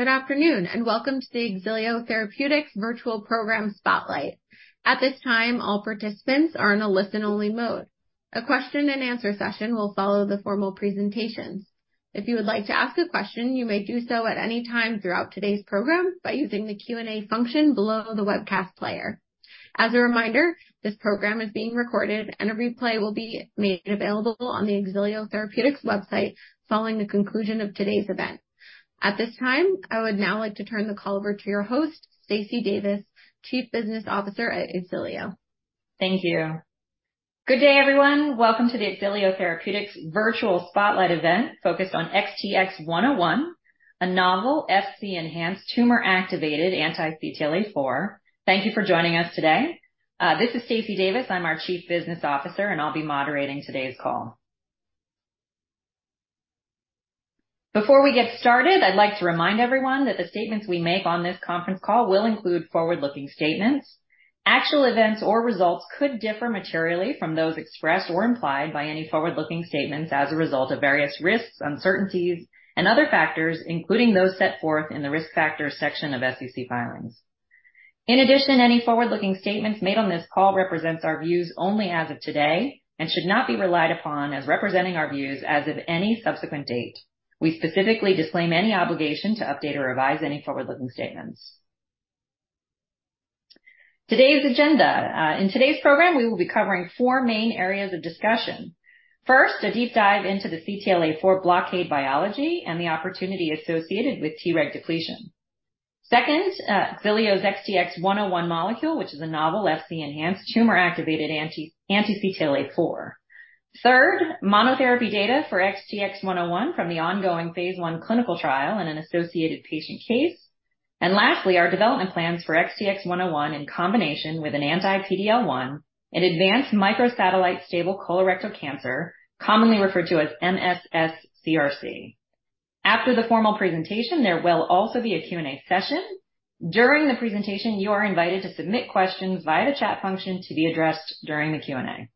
Good afternoon, and welcome to the Xilio Therapeutics Virtual Program Spotlight. At this time, all participants are in a listen-only mode. A question and answer session will follow the formal presentations. If you would like to ask a question, you may do so at any time throughout today's program by using the Q&A function below the webcast player. As a reminder, this program is being recorded and a replay will be made available on the Xilio Therapeutics website following the conclusion of today's event. At this time, I would now like to turn the call over to your host, Stacey Davis, Chief Business Officer at Xilio. Thank you. Good day, everyone. Welcome to the Xilio Therapeutics Virtual Spotlight event, focused on XTX-101, a novel Fc-enhanced tumor-activated anti-CTLA-4. Thank you for joining us today. This is Stacey Davis. I'm our Chief Business Officer, and I'll be moderating today's call. Before we get started, I'd like to remind everyone that the statements we make on this conference call will include forward-looking statements. Actual events or results could differ materially from those expressed or implied by any forward-looking statements as a result of various risks, uncertainties, and other factors, including those set forth in the Risk Factors section of SEC filings. In addition, any forward-looking statements made on this call represents our views only as of today, and should not be relied upon as representing our views as of any subsequent date. We specifically disclaim any obligation to update or revise any forward-looking statements. Today's agenda. In today's program, we will be covering 4 main areas of discussion. First, a deep dive into the CTLA-4 blockade biology and the opportunity associated with Treg depletion. Second, Xilio's XTX-101 molecule, which is a novel Fc-enhanced tumor-activated anti-CTLA-4. Third, monotherapy data for XTX-101 from the ongoing phase 1 clinical trial and an associated patient case. Lastly, our development plans for XTX-101 in combination with an anti-PD-L1 in advanced microsatellite stable colorectal cancer, commonly referred to as MSS-CRC. After the formal presentation, there will also be a Q&A session. During the presentation, you are invited to submit questions via the chat function to be addressed during the Q&A.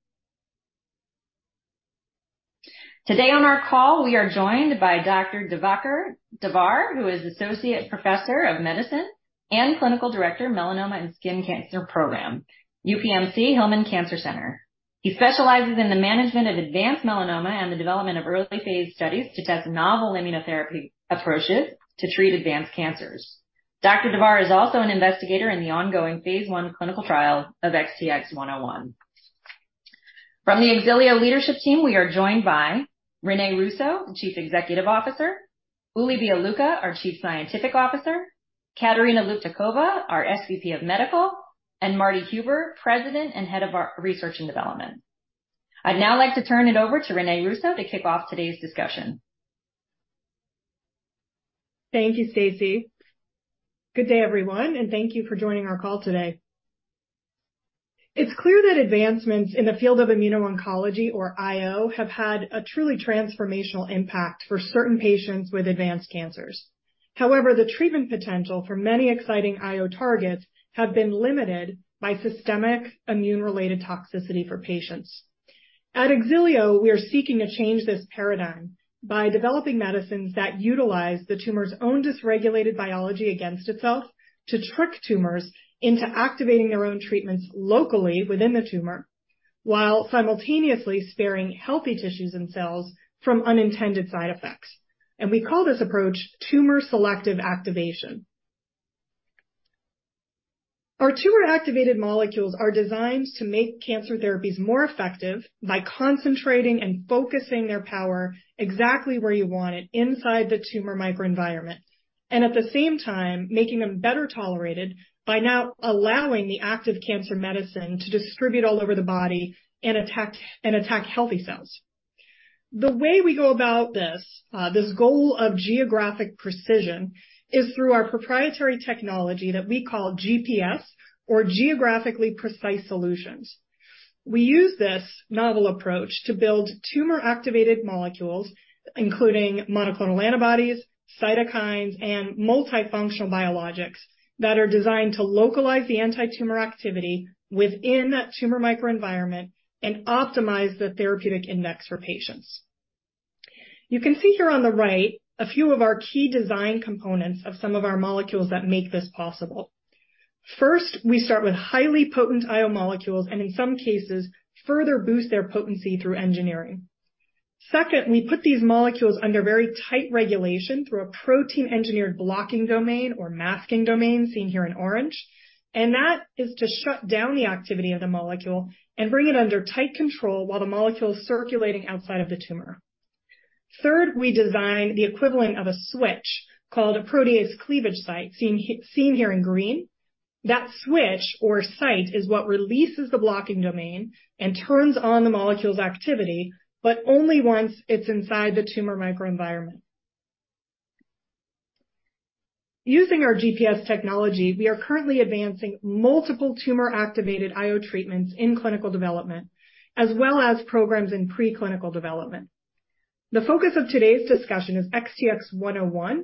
Today on our call, we are joined by Dr. Diwakar Davar, who is Associate Professor of Medicine and Clinical Director, Melanoma and Skin Cancer Program, UPMC Hillman Cancer Center. He specializes in the management of advanced melanoma and the development of early phase studies to test novel immunotherapy approaches to treat advanced cancers. Dr. Davar is also an investigator in the ongoing phase I clinical trial of XTX-101. From the Xilio leadership team, we are joined by René Russo, the Chief Executive Officer, Uli Bialucha, our Chief Scientific Officer, Katarina Luptakova, our SVP of Medical, and Martin Huber, President and Head of our Research and Development. I'd now like to turn it over to René Russo to kick off today's discussion. Thank you, Stacey. Good day, everyone, and thank you for joining our call today. It's clear that advancements in the field of immuno-oncology or IO, have had a truly transformational impact for certain patients with advanced cancers. However, the treatment potential for many exciting IO targets have been limited by systemic immune-related toxicity for patients. At Xilio, we are seeking to change this paradigm by developing medicines that utilize the tumor's own dysregulated biology against itself to trick tumors into activating their own treatments locally within the tumor, while simultaneously sparing healthy tissues and cells from unintended side effects. We call this approach tumor selective activation. Our tumor-activated molecules are designed to make cancer therapies more effective by concentrating and focusing their power exactly where you want it, inside the tumor microenvironment, and at the same time, making them better tolerated by now allowing the active cancer medicine to distribute all over the body and attack, and attack healthy cells. The way we go about this, this goal of geographic precision is through our proprietary technology that we call GPS or Geographically Precise Solutions. We use this novel approach to build tumor-activated molecules, including monoclonal antibodies, cytokines, and multifunctional biologics that are designed to localize the anti-tumor activity within that tumor microenvironment and optimize the therapeutic index for patients. You can see here on the right a few of our key design components of some of our molecules that make this possible. First, we start with highly potent IO molecules, and in some cases further boost their potency through engineering. Second, we put these molecules under very tight regulation through a protein-engineered blocking domain or masking domain, seen here in orange, and that is to shut down the activity of the molecule and bring it under tight control while the molecule is circulating outside of the tumor. Third, we design the equivalent of a switch, called a protease cleavage site, seen here in green. That switch or site is what releases the blocking domain and turns on the molecule's activity, but only once it's inside the tumor microenvironment. Using our GPS technology, we are currently advancing multiple tumor-activated IO treatments in clinical development, as well as programs in preclinical development. The focus of today's discussion is XTX-101,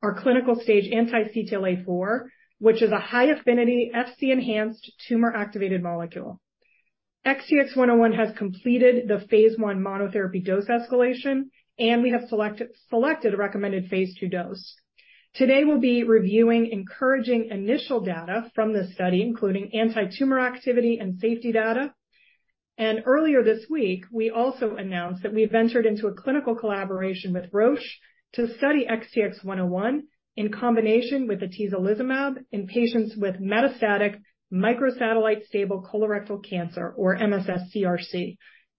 our clinical stage anti-CTLA-4, which is a high-affinity, Fc-enhanced tumor-activated molecule.... XTX-101 has completed the phase I monotherapy dose escalation, we have selected a recommended phase II dose. Today, we'll be reviewing encouraging initial data from this study, including anti-tumor activity and safety data. Earlier this week, we also announced that we've ventured into a clinical collaboration with Roche to study XTX-101 in combination with atezolizumab in patients with metastatic microsatellite stable colorectal cancer, or MSS-CRC,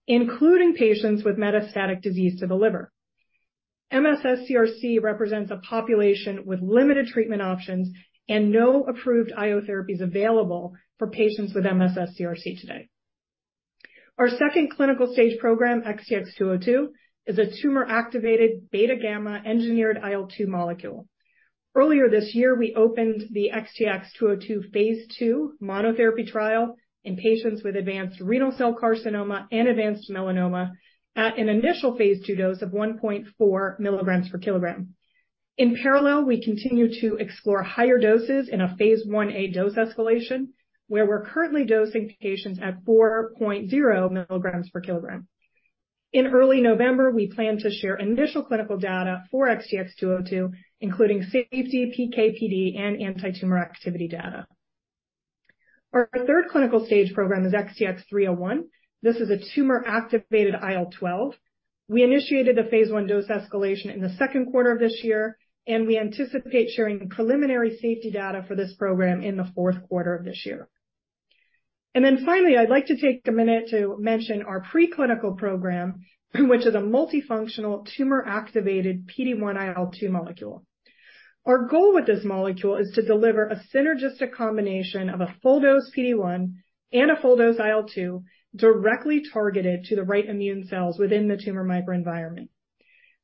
including patients with metastatic disease to the liver. MSS-CRC represents a population with limited treatment options and no approved IO therapies available for patients with MSS-CRC today. Our second clinical stage program, XTX-202, is a tumor-activated beta-gamma engineered IL-2 molecule. Earlier this year, we opened the XTX-202 phase II monotherapy trial in patients with advanced renal cell carcinoma and advanced melanoma at an initial phase II dose of 1.4 milligrams per kilogram. In parallel, we continue to explore higher doses in a phase 1A dose escalation, where we're currently dosing patients at 4.0 mg per kilogram. In early November, we plan to share initial clinical data for XTX-202, including safety, PK/PD, and anti-tumor activity data. Our third clinical stage program is XTX-301. This is a tumor-activated IL-12. We initiated a Phase 1 dose escalation in the second quarter of this year, and we anticipate sharing preliminary safety data for this program in the fourth quarter of this year. Finally, I'd like to take a minute to mention our preclinical program, which is a multifunctional tumor-activated PD-1 IL-2 molecule. Our goal with this molecule is to deliver a synergistic combination of a full-dose PD-1 and a full-dose IL-2, directly targeted to the right immune cells within the tumor microenvironment.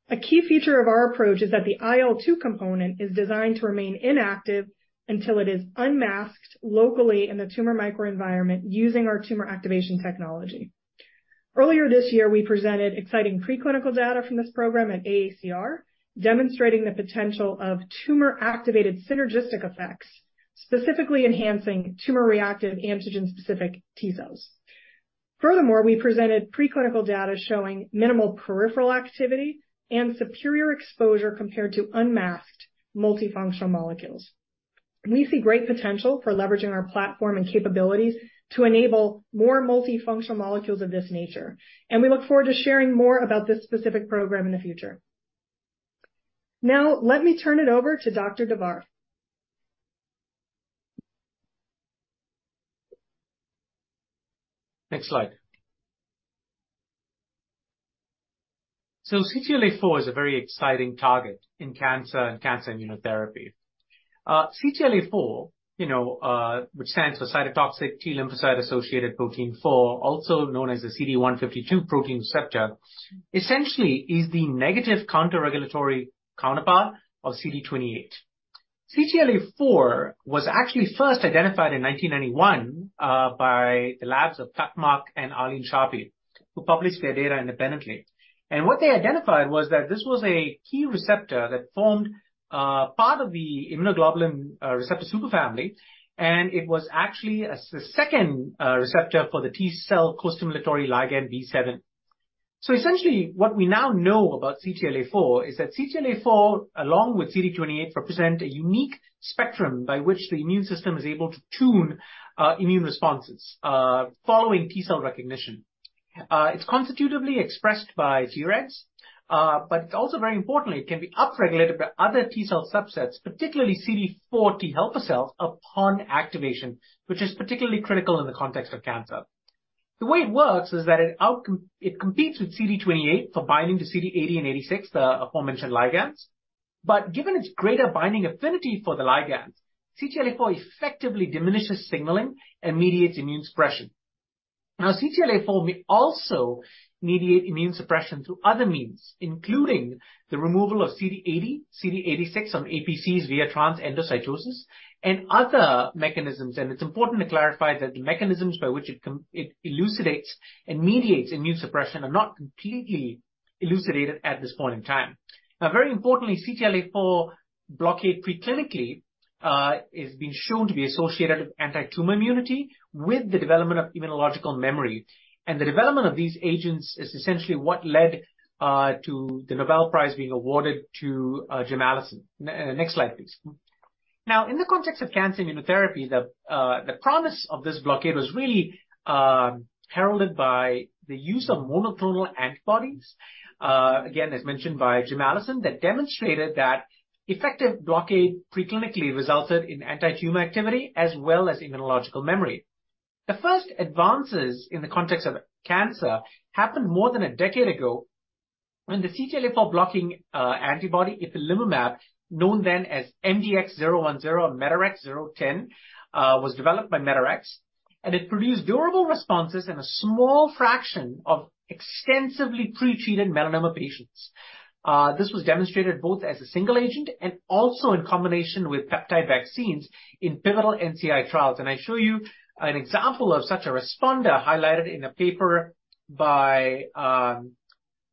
A key feature of our approach is that the IL-2 component is designed to remain inactive until it is unmasked locally in the tumor microenvironment using our tumor activation technology. Earlier this year, we presented exciting preclinical data from this program at AACR, demonstrating the potential of tumor-activated synergistic effects, specifically enhancing tumor-reactive antigen-specific T cells. Furthermore, we presented preclinical data showing minimal peripheral activity and superior exposure compared to unmasked multifunctional molecules. We see great potential for leveraging our platform and capabilities to enable more multifunctional molecules of this nature, and we look forward to sharing more about this specific program in the future. Now, let me turn it over to Dr. Davar. Next slide. CTLA-4 is a very exciting target in cancer and cancer immunotherapy. CTLA-4, you know, which stands for cytotoxic T-lymphocyte-associated protein four, also known as the CD152 protein receptor, essentially is the negative counterregulatory counterpart of CD28. CTLA-4 was actually first identified in 1991 by the labs of Tak Mak and Arlene Sharpe, who published their data independently. What they identified was that this was a key receptor that formed part of the immunoglobulin receptor superfamily, and it was actually the second receptor for the T-cell costimulatory ligand B7. Essentially, what we now know about CTLA-4 is that CTLA-4, along with CD28, represent a unique spectrum by which the immune system is able to tune immune responses following T-cell recognition. It's constitutively expressed by Tregs, but also very importantly, it can be upregulated by other T-cell subsets, particularly CD4 T helper cells, upon activation, which is particularly critical in the context of cancer. The way it works is that it competes with CD28 for binding to CD80 and 86, the aforementioned ligands. Given its greater binding affinity for the ligands, CTLA-4 effectively diminishes signaling and mediates immune suppression. Now, CTLA-4 may also mediate immune suppression through other means, including the removal of CD80, CD86 on APCs via transendocytosis and other mechanisms, and it's important to clarify that the mechanisms by which it elucidates and mediates immune suppression are not completely elucidated at this point in time. Now, very importantly, CTLA-4 blockade preclinically, is being shown to be associated with anti-tumor immunity, with the development of immunological memory. The development of these agents is essentially what led to the Nobel Prize being awarded to Jim Allison. Next slide, please. Now, in the context of cancer immunotherapy, the promise of this blockade was really heralded by the use of monoclonal antibodies. Again, as mentioned by Jim Allison, that demonstrated that effective blockade preclinically resulted in anti-tumor activity as well as immunological memory. The first advances in the context of cancer happened more than a decade ago when the CTLA-4 blocking antibody, ipilimumab, known then as MDX-010 and Medarex 010, was developed by Medarex, and it produced durable responses in a small fraction of extensively pretreated melanoma patients. This was demonstrated both as a single agent and also in combination with peptide vaccines in pivotal NCI trials. I show you an example of such a responder highlighted in a paper by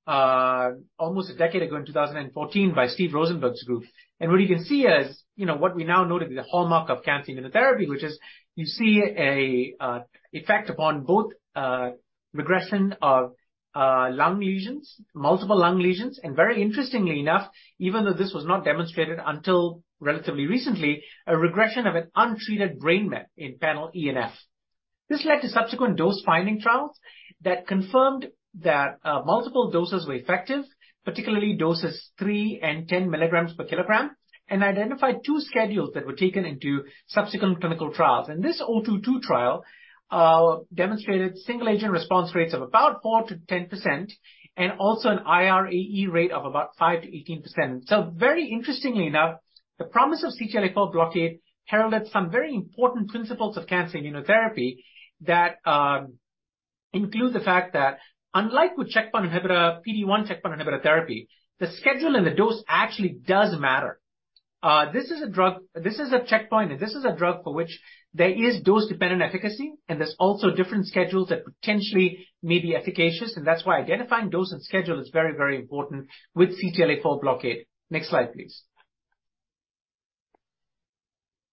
almost a decade ago in 2014 by Steven A. Rosenberg's group. What you can see is, you know, what we now know to be the hallmark of cancer immunotherapy, which is you see a effect upon both regression of lung lesions, multiple lung lesions, and very interestingly enough, even though this was not demonstrated until relatively recently, a regression of an untreated brain met in panel E and F. This led to subsequent dose-finding trials that confirmed that multiple doses were effective, particularly doses three and 10 milligrams per kilogram, and identified two schedules that were taken into subsequent clinical trials. This 022 trial demonstrated single-agent response rates of about 4%-10% and also an iRAE rate of about 5%-18%. Very interestingly enough, the promise of CTLA-4 blockade heralded some very important principles of cancer immunotherapy that include the fact that unlike with checkpoint inhibitor, PD-1 checkpoint inhibitor therapy, the schedule and the dose actually does matter. This is a drug, this is a checkpoint, and this is a drug for which there is dose-dependent efficacy, and there's also different schedules that potentially may be efficacious, and that's why identifying dose and schedule is very, very important with CTLA-4 blockade. Next slide, please.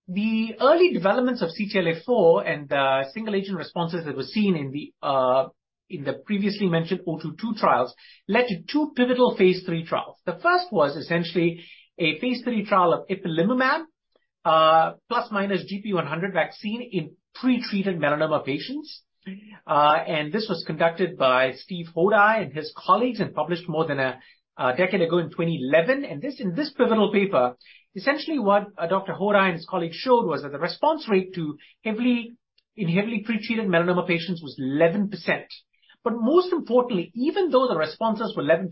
The early developments of CTLA-4 and single-agent responses that were seen in the previously mentioned 022 trials led to two pivotal Phase 3 trials. The first was essentially a Phase 3 trial of ipilimumab plus minus gp100 vaccine in pretreated melanoma patients. This was conducted by Steve Hodi and his colleagues, and published more than a decade ago in 2011. In this pivotal paper, essentially what Dr. Hodi and his colleagues showed was that the response rate in heavily pretreated melanoma patients was 11%. Most importantly, even though the responses were 11%,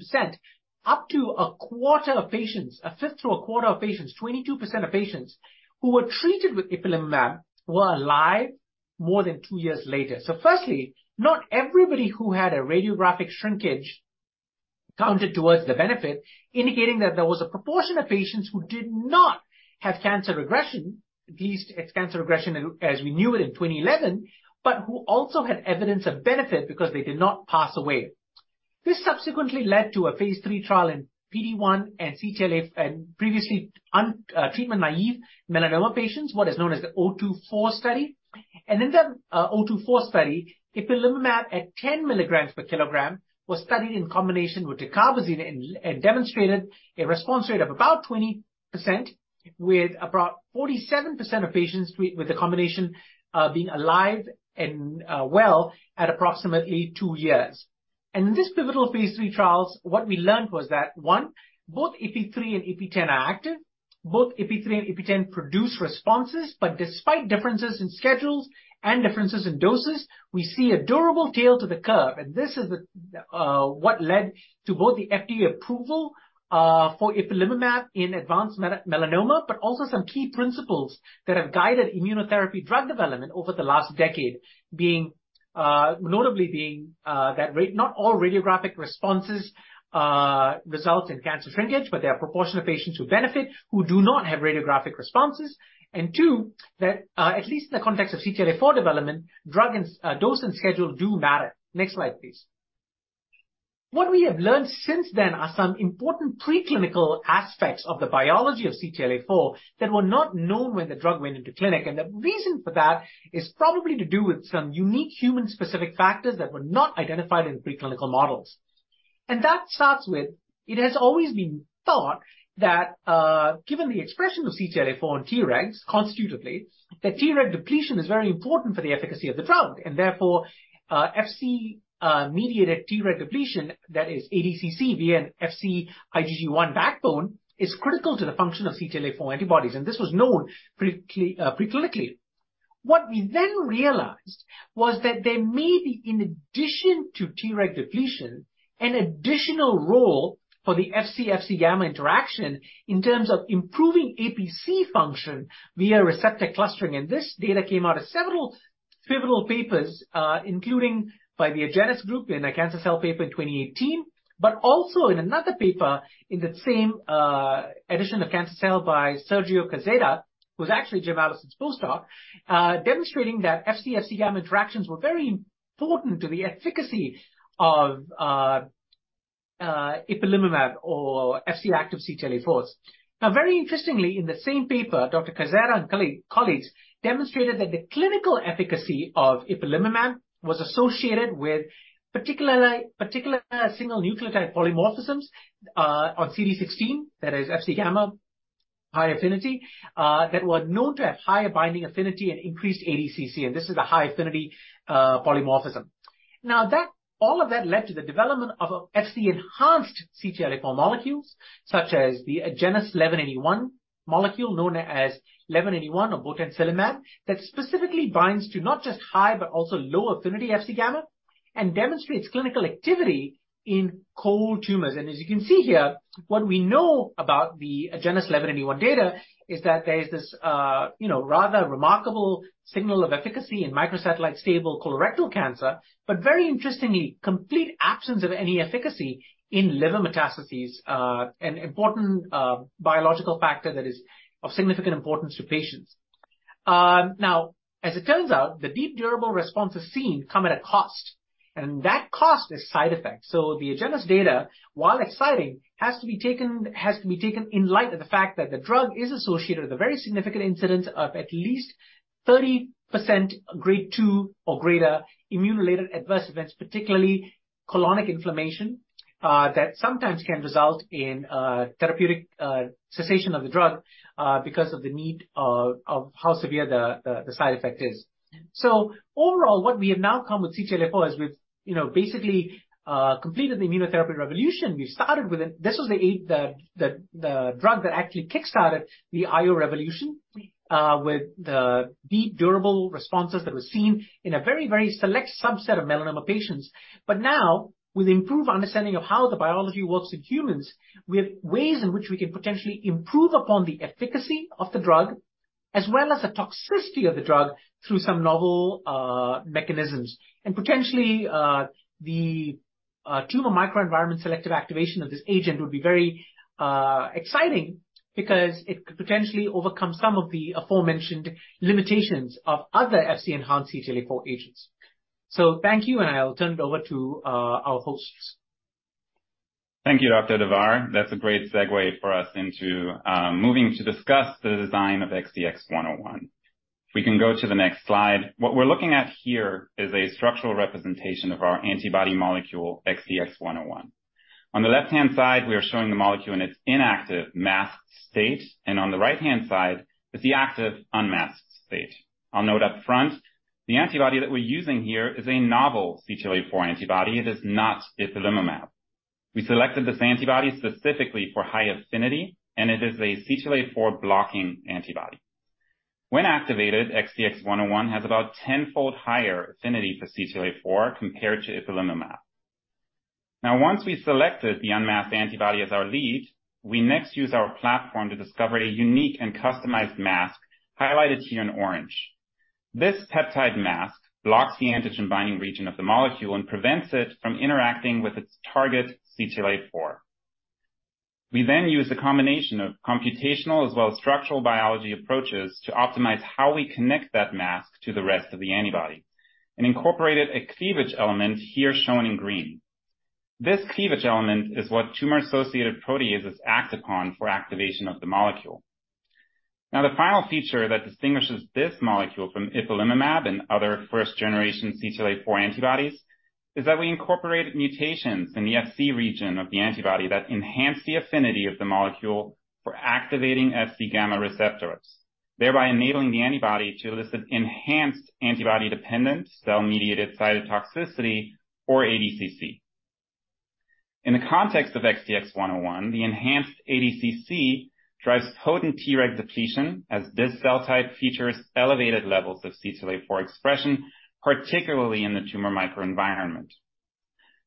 up to a quarter of patients, a fifth to a quarter of patients, 22% of patients who were treated with ipilimumab were alive more than two years later. Firstly, not everybody who had a radiographic shrinkage counted towards the benefit, indicating that there was a proportion of patients who did not have cancer regression, at least cancer regression as, as we knew it in 2011, but who also had evidence of benefit because they did not pass away. This subsequently led to a Phase 3 trial in PD-1 and CTLA-4 and previously un- treatment-naive melanoma patients, what is known as the O 2 4 study. In that O 2 4 study, ipilimumab at 10 milligrams per kilogram was studied in combination with dacarbazine and demonstrated a response rate of about 20%, with about 47% of patients with the combination being alive and well at approximately two years. In this pivotal phase 3 trials, what we learned was that, one, both IP-3 and IP-10 are active. Both IP-three and IP-10 produce responses. Despite differences in schedules and differences in doses, we see a durable tail to the curve. This is what led to both the FDA approval for ipilimumab in advanced melanoma, but also some key principles that have guided immunotherapy drug development over the last decade. Being notably being that not all radiographic responses result in cancer shrinkage, but there are proportion of patients who benefit who do not have radiographic responses. Two, that at least in the context of CTLA-4 development, drug and dose and schedule do matter. Next slide, please. What we have learned since then are some important preclinical aspects of the biology of CTLA-4 that were not known when the drug went into clinic. The reason for that is probably to do with some unique human-specific factors that were not identified in the preclinical models. That starts with, it has always been thought that, given the expression of CTLA-4 on Tregs constitutively, that Treg depletion is very important for the efficacy of the drug, and therefore, Fc mediated Treg depletion, that is ADCC via an Fc IgG1 backbone, is critical to the function of CTLA-4 antibodies, and this was known preclinically. What we then realized was that there may be, in addition to Treg depletion, an additional role for the Fc, Fc gamma interaction in terms of improving APC function via receptor clustering. This data came out of several pivotal papers, including by the Agenus group in a Cancer Cell paper in 2018, but also in another paper in that same edition of Cancer Cell by Sergio Quezada, who's actually Jim Allison's postdoc, demonstrating that Fc, Fc-gamma interactions were very important to the efficacy of ipilimumab or Fc active CTLA-4s. Now, very interestingly, in the same paper, Dr. Quezada and colleagues demonstrated that the clinical efficacy of ipilimumab was associated with particular single nucleotide polymorphisms on CD16, that is Fc-gamma high affinity, that were known to have higher binding affinity and increased ADCC, and this is a high-affinity polymorphism. Now, all of that led to the development of a Fc-enhanced CTLA-4 molecules, such as the Agenus 1181 molecule, known as 1181 or botensilimab, that specifically binds to not just high, but also low affinity Fc-gamma and demonstrates clinical activity in cold tumors. As you can see here, what we know about the Agenus 1181 data is that there is this, you know, rather remarkable signal of efficacy in Microsatellite stable colorectal cancer, but very interestingly, complete absence of any efficacy in liver metastases, an important, biological factor that is of significant importance to patients. Now, as it turns out, the deep durable responses seen come at a cost, and that cost is side effects. The Agenus data, while exciting, has to be taken, has to be taken in light of the fact that the drug is associated with a very significant incidence of at least 30% Grade 2 or greater immune-related adverse events, particularly colonic inflammation, that sometimes can result in therapeutic cessation of the drug because of the need of how severe the side effect is. Overall, what we have now come with CTLA-4 is we've, you know, basically, completed the immunotherapy revolution. We started with it. This was the drug that actually kickstarted the IO revolution with the deep durable responses that were seen in a very, very select subset of melanoma patients. Now, with improved understanding of how the biology works in humans, we have ways in which we can potentially improve upon the efficacy of the drug as well as the toxicity of the drug through some novel mechanisms. Potentially, the tumor microenvironment selective activation of this agent would be very exciting because it could potentially overcome some of the aforementioned limitations of other Fc-enhanced CTLA-4 agents. Thank you, and I'll turn it over to our hosts. Thank you, Dr. Davar. That's a great segue for us into moving to discuss the design of XTX-101. If we can go to the next slide. What we're looking at here is a structural representation of our antibody molecule, XTX-101. On the left-hand side, we are showing the molecule in its inactive masked state, and on the right-hand side is the active unmasked state. I'll note up front, the antibody that we're using here is a novel CTLA-4 antibody. It is not ipilimumab. We selected this antibody specifically for high affinity, and it is a CTLA-4 blocking antibody. When activated, XTX-101 has about tenfold higher affinity for CTLA-4 compared to ipilimumab. Now, once we selected the unmasked antibody as our lead, we next use our platform to discover a unique and customized mask highlighted here in orange. This peptide mask blocks the antigen binding region of the molecule and prevents it from interacting with its target, CTLA-4. We then use a combination of computational as well as structural biology approaches to optimize how we connect that mask to the rest of the antibody and incorporated a cleavage element here shown in green. This cleavage element is what tumor-associated proteases act upon for activation of the molecule. Now, the final feature that distinguishes this molecule from ipilimumab and other first-generation CTLA-4 antibodies is that we incorporated mutations in the Fc region of the antibody that enhance the affinity of the molecule for activating Fc-gamma receptors, thereby enabling the antibody to elicit enhanced antibody-dependent cell-mediated cytotoxicity, or ADCC. In the context of XTX-101, the enhanced ADCC drives potent T-reg depletion, as this cell type features elevated levels of CTLA-4 expression, particularly in the tumor microenvironment.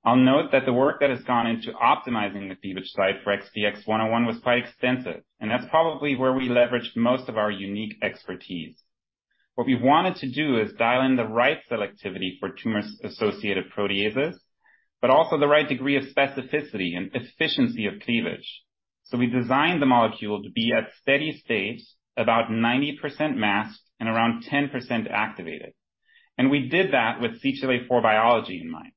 I'll note that the work that has gone into optimizing the cleavage site for XTX-101 was quite extensive. That's probably where we leveraged most of our unique expertise. What we wanted to do is dial in the right selectivity for tumor-associated proteases. Also the right degree of specificity and efficiency of cleavage. We designed the molecule to be at steady state, about 90% masked and around 10% activated. We did that with CTLA-4 biology in mind,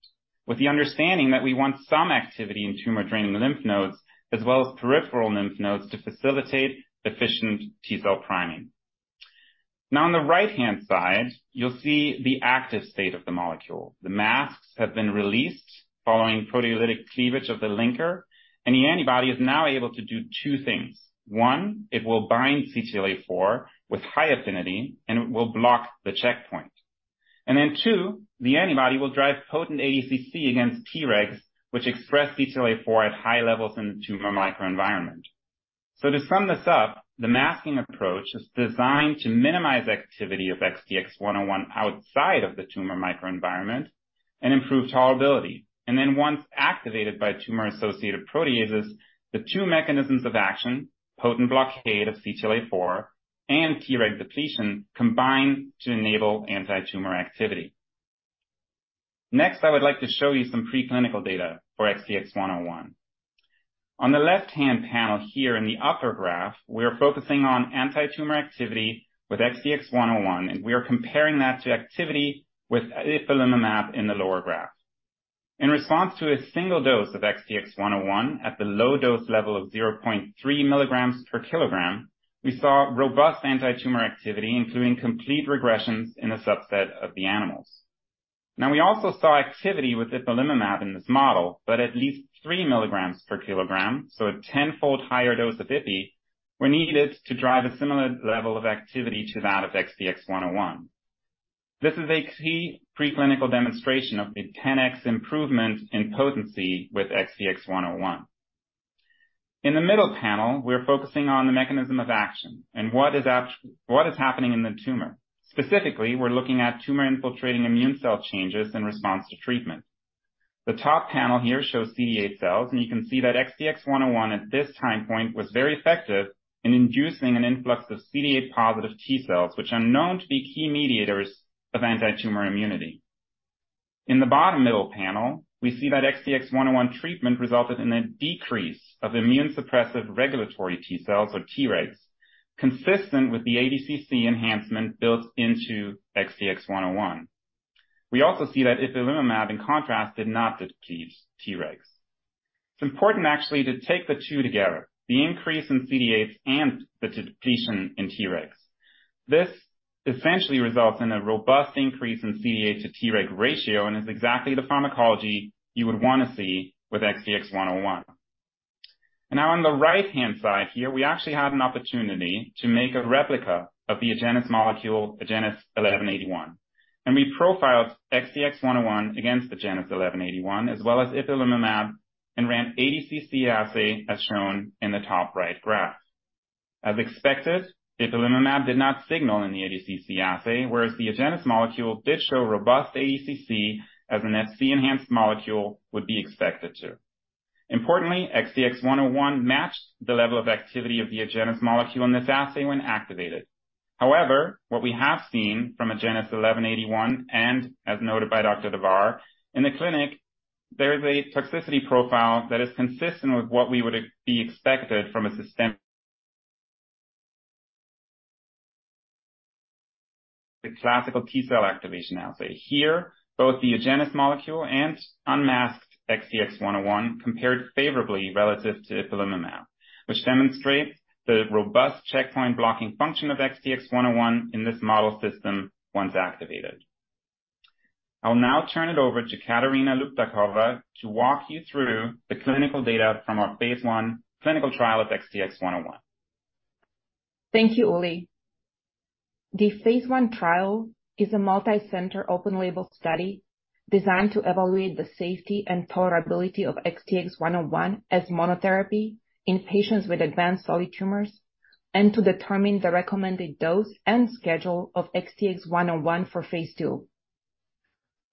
with the understanding that we want some activity in tumor-draining lymph nodes, as well as peripheral lymph nodes, to facilitate efficient T cell priming. Now, on the right-hand side, you'll see the active state of the molecule. The masks have been released following proteolytic cleavage of the linker. The antibody is now able to do two things. It will bind CTLA-4 with high affinity, it will block the checkpoint. The antibody will drive potent ADCC against Tregs, which express CTLA-4 at high levels in the tumor microenvironment. To sum this up, the masking approach is designed to minimize activity of XTX-101 outside of the tumor microenvironment and improve tolerability. Once activated by tumor-associated proteases, the two mechanisms of action, potent blockade of CTLA-4 and Treg depletion, combine to enable antitumor activity. I would like to show you some preclinical data for XTX-101. On the left-hand panel here in the upper graph, we are focusing on antitumor activity with XTX-101, we are comparing that to activity with ipilimumab in the lower graph. In response to a single dose of XTX-101 at the low dose level of 0.3 milligrams per kilogram, we saw robust antitumor activity, including complete regressions in a subset of the animals. We also saw activity with ipilimumab in this model. At least 3 milligrams per kilogram, a 10-fold higher dose of ipilimumab were needed to drive a similar level of activity to that of XTX-101. This is a key preclinical demonstration of the 10x improvement in potency with XTX-101. In the middle panel, we're focusing on the mechanism of action and what is happening in the tumor. Specifically, we're looking at tumor-infiltrating immune cell changes in response to treatment. The top panel here shows CD8 cells, and you can see that XTX-101 at this time point was very effective in inducing an influx of CD8 positive T cells, which are known to be key mediators of antitumor immunity. In the bottom middle panel, we see that XTX-101 treatment resulted in a decrease of immune suppressive regulatory T cells, or Tregs, consistent with the ADCC enhancement built into XTX-101. We also see that ipilimumab, in contrast, did not deplete Tregs. It's important actually to take the two together, the increase in CD8s and the depletion in Tregs. This essentially results in a robust increase in CD8 to Treg ratio, and is exactly the pharmacology you would want to see with XTX-101. Now on the right-hand side here, we actually had an opportunity to make a replica of the Agenus molecule, Agenus 1181, and we profiled XTX-101 against Agenus 1181, as well as ipilimumab, and ran ADCC assay, as shown in the top right graph. As expected, ipilimumab did not signal in the ADCC assay, whereas the Agenus molecule did show robust ADCC, as an Fc-enhanced molecule would be expected to. Importantly, XTX-101 matched the level of activity of the Agenus molecule in this assay when activated. However, what we have seen from Agenus 1181, and as noted by Dr. Davar, in the clinic, there is a toxicity profile that is consistent with what we would be expected from a systemic. The classical T cell activation assay. Here, both the Agenus molecule and unmasked XTX-101 compared favorably relative to ipilimumab, which demonstrates the robust checkpoint blocking function of XTX-101 in this model system once activated. I'll now turn it over to Katarina Luptakova to walk you through the clinical data from our phase 1 clinical trial of XTX-101. Thank you, Uli. The phase I trial is a multicenter, open label study designed to evaluate the safety and tolerability of XTX-101 as monotherapy in patients with advanced solid tumors, and to determine the recommended dose and schedule of XTX-101 for phase II.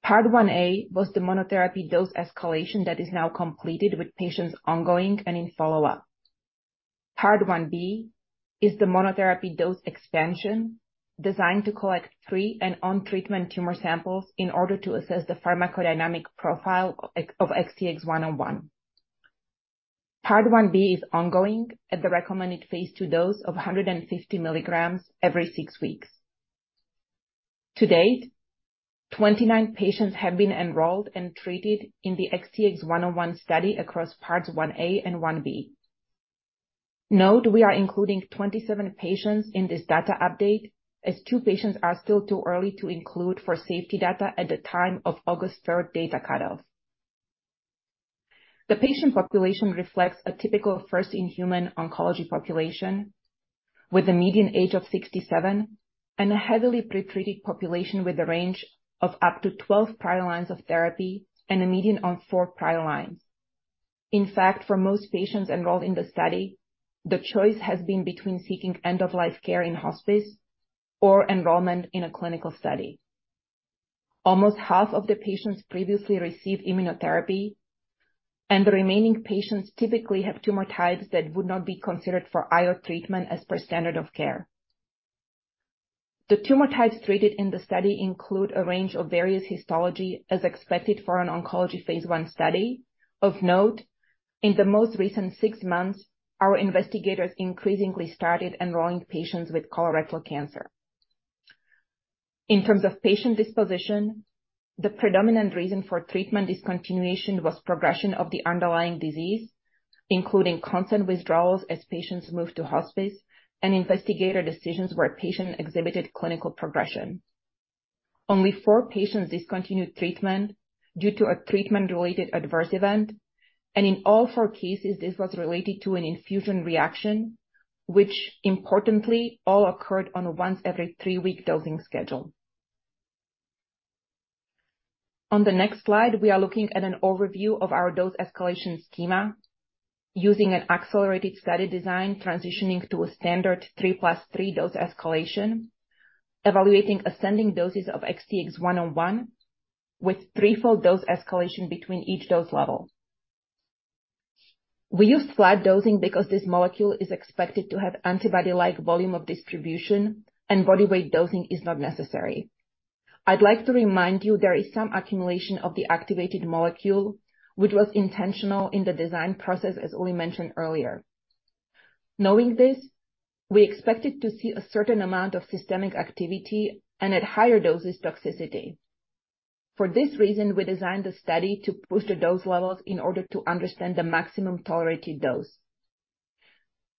Part 1A was the monotherapy dose escalation that is now completed, with patients ongoing and in follow-up. Part 1B is the monotherapy dose expansion, designed to collect three and on treatment tumor samples in order to assess the pharmacodynamic profile of XTX-101. Part 1B is ongoing at the recommended phase II dose of 150 mg every six weeks. To date, 29 patients have been enrolled and treated in the XTX-101 study across parts 1A and 1B. Note, we are including 27 patients in this data update, as two patients are still too early to include for safety data at the time of August 3rd data cutoffs. The patient population reflects a typical first in human oncology population, with a median age of 67, and a heavily pretreated population with a range of up to 12 prior lines of therapy and a median on four prior lines. In fact, for most patients enrolled in the study, the choice has been between seeking end-of-life care in hospice or enrollment in a clinical study. Almost half of the patients previously received immunotherapy, and the remaining patients typically have tumor types that would not be considered for IO treatment as per standard of care. The tumor types treated in the study include a range of various histology, as expected for an oncology phase one study. Of note, in the most recent six months, our investigators increasingly started enrolling patients with colorectal cancer. In terms of patient disposition, the predominant reason for treatment discontinuation was progression of the underlying disease, including consent withdrawals as patients moved to hospice and investigator decisions where a patient exhibited clinical progression. Only four patients discontinued treatment due to a treatment-related adverse event, and in all four cases, this was related to an infusion reaction, which importantly, all occurred on a once every three week dosing schedule. On the next slide, we are looking at an overview of our dose escalation schema using an accelerated study design, transitioning to a standard 3+3 dose escalation, evaluating ascending doses of XTX-101 with threefold dose escalation between each dose level. We use flat dosing because this molecule is expected to have antibody-like volume of distribution and bodyweight dosing is not necessary. I'd like to remind you there is some accumulation of the activated molecule, which was intentional in the design process, as Uli mentioned earlier. Knowing this, we expected to see a certain amount of systemic activity and at higher doses, toxicity. For this reason, we designed the study to push the dose levels in order to understand the maximum tolerated dose.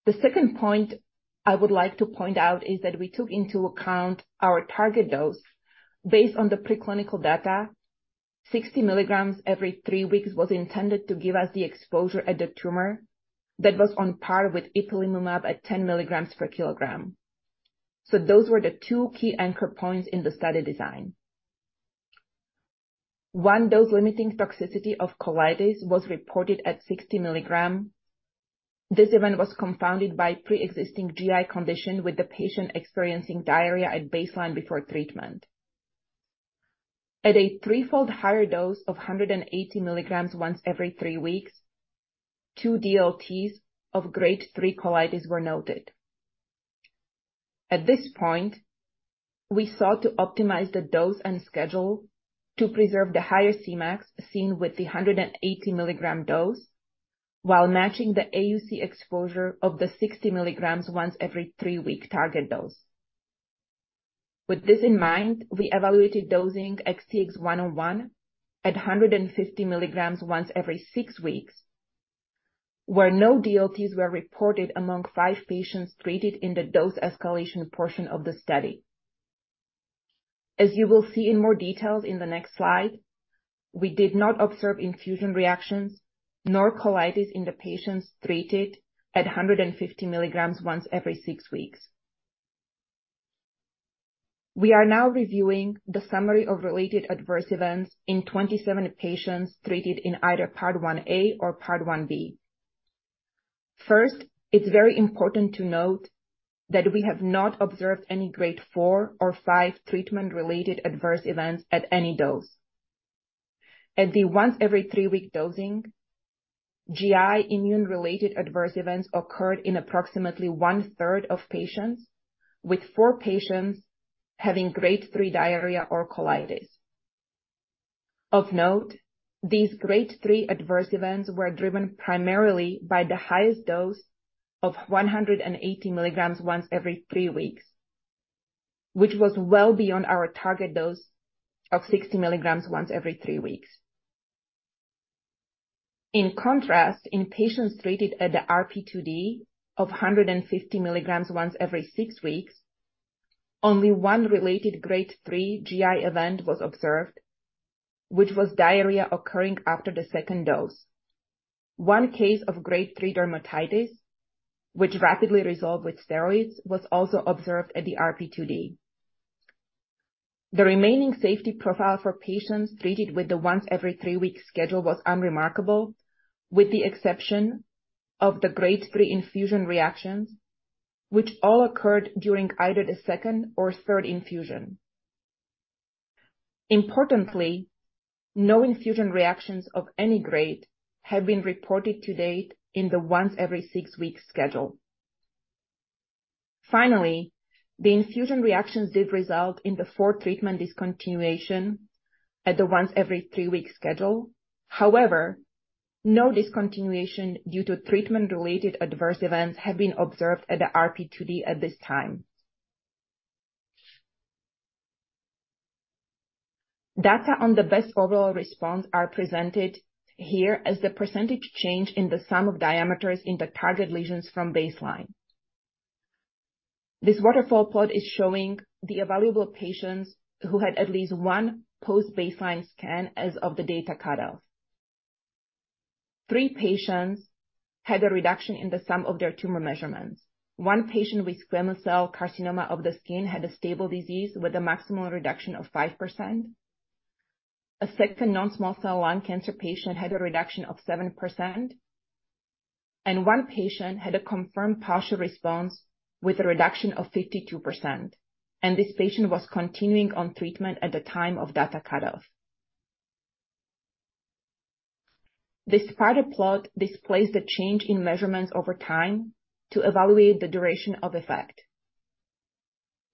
The second point I would like to point out is that we took into account our target dose. Based on the preclinical data, 60 milligrams every three weeks was intended to give us the exposure at the tumor that was on par with ipilimumab at 10 milligrams per kilogram. Those were the two key anchor points in the study design. One dose limiting toxicity of colitis was reported at 60 milligrams. This event was confounded by preexisting GI condition, with the patient experiencing diarrhea at baseline before treatment. At a threefold higher dose of 180 milligrams once every three weeks, 2 DLTs of grade three colitis were noted. At this point, we sought to optimize the dose and schedule to preserve the higher Cmax seen with the 180 milligram dose, while matching the AUC exposure of the 60 milligrams once every three week target dose. With this in mind, we evaluated dosing XTX-101 at 150 milligrams once every six weeks, where no DLTs were reported among five patients treated in the dose escalation portion of the study. As you will see in more details in the next slide, we did not observe infusion reactions nor colitis in the patients treated at 150 milligrams once every six weeks. We are now reviewing the summary of related adverse events in 27 patients treated in either Part 1A or Part One B. First, it's very important to note that we have not observed any Grade four or five treatment-related adverse events at any dose. At the once every three week dosing, GI immune-related adverse events occurred in approximately one third of patients, with four patients having Grade three diarrhea or colitis. Of note, these Grade three adverse events were driven primarily by the highest dose of 180 milligrams once every three weeks, which was well beyond our target dose of 60 milligrams once every three weeks. In contrast, in patients treated at the RP2D of 150 milligrams once every six weeks, only 1 related Grade three GI event was observed, which was diarrhea occurring after the second dose. 0ne case of Grade three dermatitis, which rapidly resolved with steroids, was also observed at the RP2D. The remaining safety profile for patients treated with the once every three-week schedule was unremarkable, with the exception of the Grade three infusion reactions, which all occurred during either the 2nd or 3rd infusion. Importantly, no infusion reactions of any grade have been reported to date in the once every six-week schedule. Finally, the infusion reactions did result in the four treatment discontinuation at the once every three-week schedule. However, no discontinuation due to treatment-related adverse events have been observed at the RP2D at this time. Data on the best overall response are presented here as the % change in the sum of diameters in the target lesions from baseline. This waterfall plot is showing the evaluable patients who had at least one post-baseline scan as of the data cut-off. Three patients had a reduction in the sum of their tumor measurements. One patient with squamous cell carcinoma of the skin had a stable disease with a maximum reduction of 5%. A second non-small cell lung cancer patient had a reduction of 7%, and one patient had a confirmed partial response with a reduction of 52%, and this patient was continuing on treatment at the time of data cut-off. This spider plot displays the change in measurements over time to evaluate the duration of effect.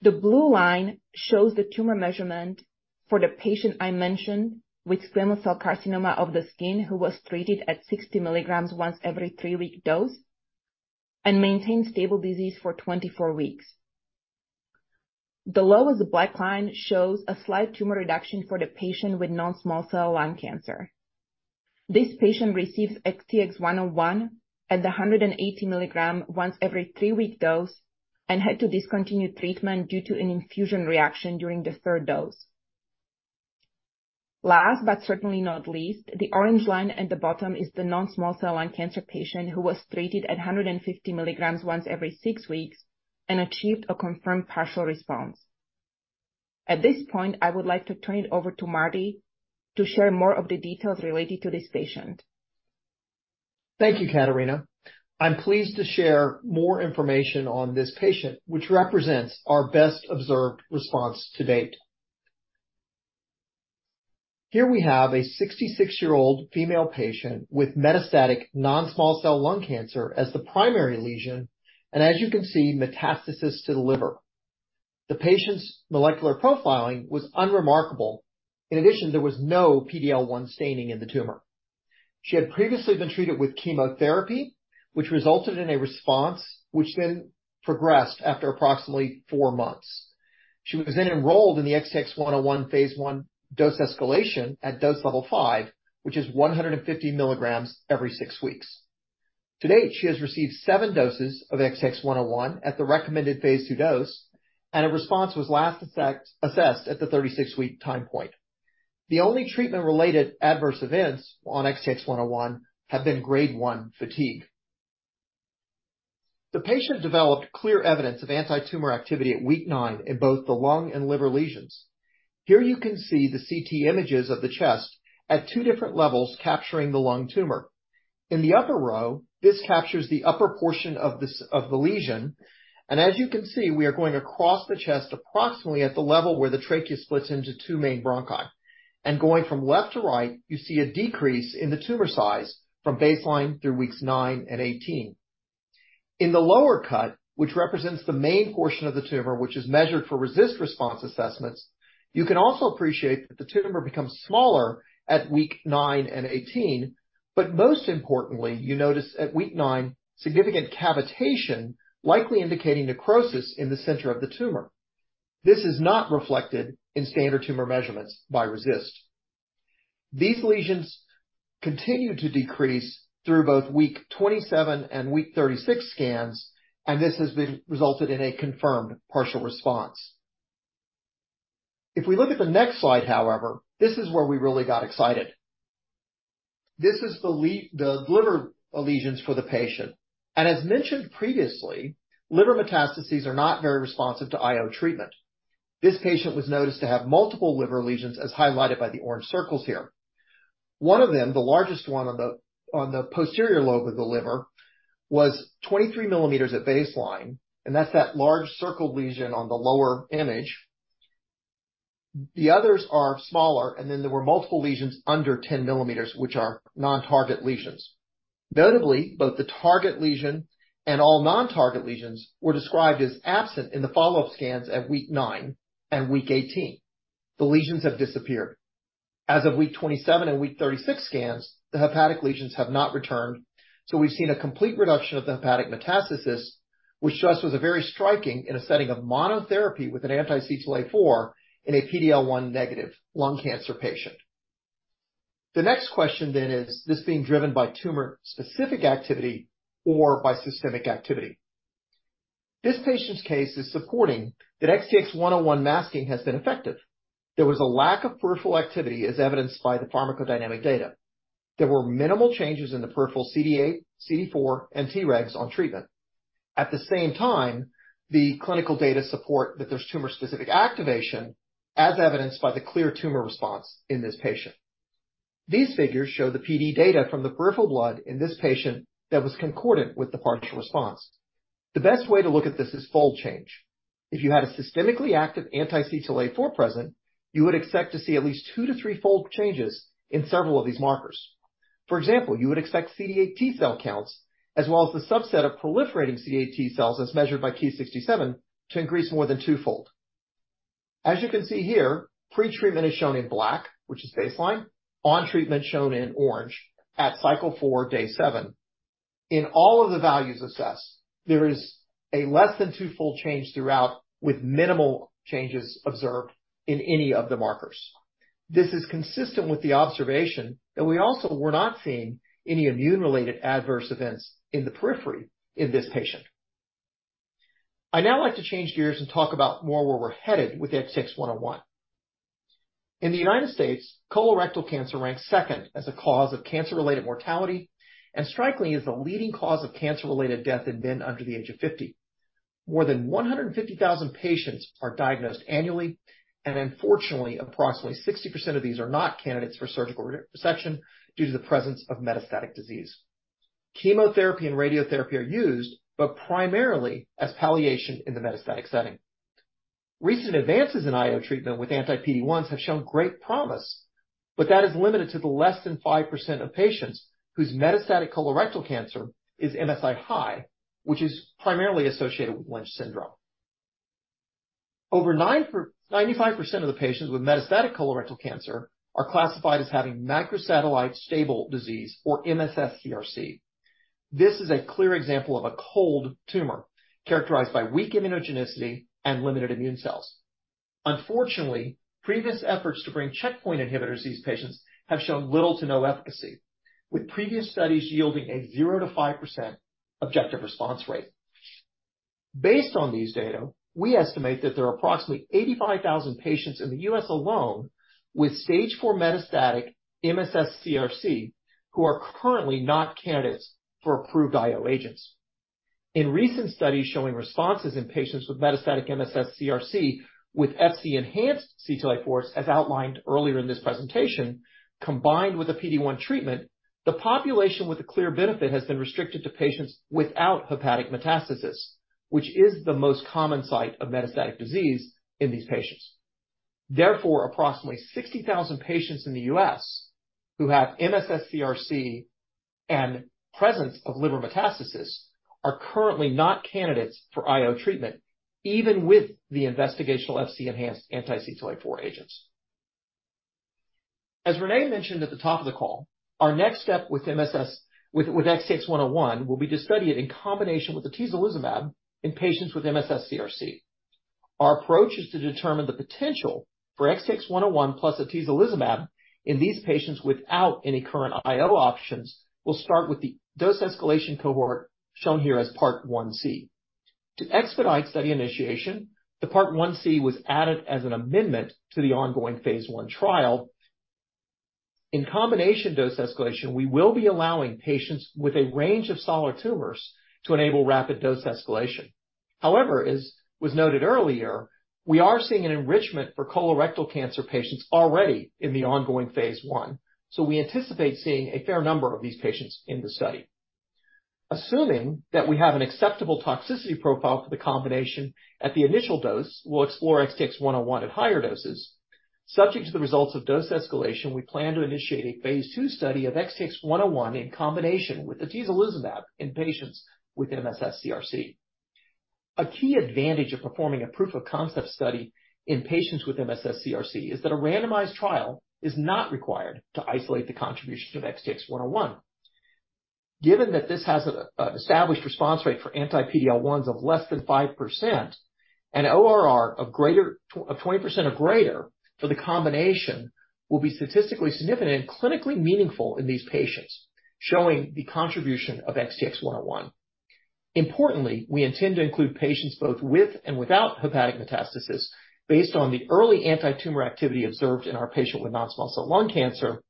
The blue line shows the tumor measurement for the patient I mentioned with squamous cell carcinoma of the skin, who was treated at 60 mg once every three week dose and maintained stable disease for 24 weeks. The lowest black line shows a slight tumor reduction for the patient with non-small cell lung cancer. This patient received XTX-101 at the 180 milligram once every three-week dose and had to discontinue treatment due to an infusion reaction during the third dose. Last, but certainly not least, the orange line at the bottom is the non-small cell lung cancer patient who was treated at 150 milligrams once every six weeks and achieved a confirmed partial response. At this point, I would like to turn it over to Marty to share more of the details related to this patient. Thank you, Katarina. I'm pleased to share more information on this patient, which represents our best observed response to date. Here we have a 66-year-old female patient with metastatic non-small cell lung cancer as the primary lesion, and as you can see, metastasis to the liver. The patient's molecular profiling was unremarkable. In addition, there was no PD-L1 staining in the tumor. She had previously been treated with chemotherapy, which resulted in a response, which then progressed after approximately four months. She was then enrolled in the XTX-101 phase I dose escalation at dose level five, which is 150 milligrams every 6 weeks. To date, she has received seven doses of XTX-101 at the recommended phase II dose, and a response was last assessed at the 36-week time point. The only treatment-related adverse events on XTX-101 have been Grade one fatigue. The patient developed clear evidence of antitumor activity at week nine in both the lung and liver lesions. Here you can see the CT images of the chest at two different levels, capturing the lung tumor. In the upper row, this captures the upper portion of the lesion, and as you can see, we are going across the chest approximately at the level where the trachea splits into two main bronchi. Going from left to right, you see a decrease in the tumor size from baseline through weeks nine and 18. In the lower cut, which represents the main portion of the tumor, which is measured for RECIST response assessments, you can also appreciate that the tumor becomes smaller at week nine and 18. Most importantly, you notice at week 9, significant cavitation, likely indicating necrosis in the center of the tumor. This is not reflected in standard tumor measurements by RECIST. These lesions continue to decrease through both week 27 and week 36 scans, and this resulted in a confirmed partial response. If we look at the next slide, however, this is where we really got excited. This is the liver lesions for the patient. As mentioned previously, liver metastases are not very responsive to IO treatment. This patient was noticed to have multiple liver lesions, as highlighted by the orange circles here. One of them, the largest one on the, on the posterior lobe of the liver, was 23 mm at baseline, and that's that large circle lesion on the lower image. The others are smaller, and then there were multiple lesions under 10 mm, which are non-target lesions. Notably, both the target lesion and all non-target lesions were described as absent in the follow-up scans at week nine and week 18. The lesions have disappeared. As of week 27 and week 36 scans, the hepatic lesions have not returned, so we've seen a complete reduction of the hepatic metastasis, which to us was a very striking in a setting of monotherapy with an anti-CTLA-4 in a PD-L1 negative lung cancer patient. The next question, is this being driven by tumor-specific activity or by systemic activity? This patient's case is supporting that XTX-101 masking has been effective. There was a lack of peripheral activity, as evidenced by the pharmacodynamic data. There were minimal changes in the peripheral CD8, CD4, and Tregs on treatment. At the same time, the clinical data support that there's tumor-specific activation, as evidenced by the clear tumor response in this patient. These figures show the PD data from the peripheral blood in this patient that was concordant with the partial response. The best way to look at this is fold change. If you had a systemically active anti-CTLA-4 present, you would expect to see at least two to three-fold changes in several of these markers. For example, you would expect CD8 T cell counts, as well as the subset of proliferating CD8 T cells, as measured by Ki-67, to increase more than twofold. As you can see here, pretreatment is shown in black, which is baseline, on treatment shown in orange at Cycle four, Day seven. In all of the values assessed, there is a less than two-fold change throughout, with minimal changes observed in any of the markers. This is consistent with the observation that we also were not seeing any immune-related adverse events in the periphery in this patient. I'd now like to change gears and talk about more where we're headed with XTX-101. In the United States, colorectal cancer ranks second as a cause of cancer-related mortality, and strikingly, is the leading cause of cancer-related death in men under the age of 50. More than 150,000 patients are diagnosed annually, and unfortunately, approximately 60% of these are not candidates for surgical resection due to the presence of metastatic disease. Chemotherapy and radiotherapy are used, but primarily as palliation in the metastatic setting. Recent advances in IO treatment with anti-PD-1 have shown great promise, but that is limited to the less than 5% of patients whose metastatic colorectal cancer is MSI-high, which is primarily associated with Lynch syndrome. Over 95% of the patients with metastatic colorectal cancer are classified as having microsatellite stable disease or MSS CRC. This is a clear example of a cold tumor, characterized by weak immunogenicity and limited immune cells. Unfortunately, previous efforts to bring checkpoint inhibitors to these patients have shown little to no efficacy, with previous studies yielding a 0-5% objective response rate. Based on these data, we estimate that there are approximately 85,000 patients in the U.S. alone with stage four metastatic MSS-CRC, who are currently not candidates for approved IO agents. In recent studies showing responses in patients with metastatic MSS-CRC with Fc-enhanced CTLA-4, as outlined earlier in this presentation, combined with a PD-1 treatment, the population with a clear benefit has been restricted to patients without hepatic metastasis, which is the most common site of metastatic disease in these patients. Therefore, approximately 60,000 patients in the U.S. who have MSS CRC and presence of liver metastasis are currently not candidates for IO treatment, even with the investigational Fc-enhanced anti-CTLA-4 agents. As Renee mentioned at the top of the call, our next step with XTX-101, will be to study it in combination with atezolizumab in patients with MSS CRC. Our approach is to determine the potential for XTX-101 plus atezolizumab in these patients without any current IO options. We'll start with the dose escalation cohort, shown here as Part 1C. To expedite study initiation, the Part 1C was added as an amendment to the ongoing phase 1 trial. In combination dose escalation, we will be allowing patients with a range of solid tumors to enable rapid dose escalation. As was noted earlier, we are seeing an enrichment for colorectal cancer patients already in the ongoing Phase 1, so we anticipate seeing a fair number of these patients in the study. Assuming that we have an acceptable toxicity profile for the combination at the initial dose, we'll explore XTX-101 at higher doses. Subject to the results of dose escalation, we plan to initiate a Phase 2 study of XTX-101 in combination with atezolizumab in patients with MSS-CRC. A key advantage of performing a proof of concept study in patients with MSS-CRC is that a randomized trial is not required to isolate the contribution of XTX-101. Given that this has an established response rate for anti-PD-Ls of less than 5%, an ORR of 20% or greater for the combination will be statistically significant and clinically meaningful in these patients, showing the contribution of XTX-101. Importantly, we intend to include patients both with and without hepatic metastasis. Based on the early antitumor activity observed in our patient with non-small cell lung cancer,